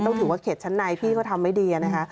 ถือว่าเขตชั้นในพี่เขาทำไม่ดีนะคะ